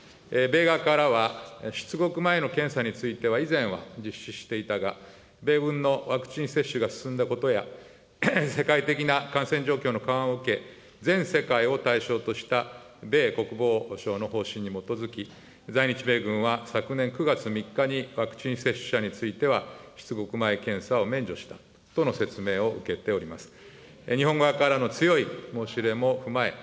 米側からは、出国前の検査については、以前は実施していたが、米軍のワクチン接種が進んだことや、世界的な感染状況の緩和を受け、全世界を対象とした米国防省の方針に基づき、在日米軍は昨年９月３日にワクチン接種者については、出国前検査を免除したとの説明を受けております。